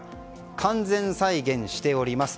完全再現しております。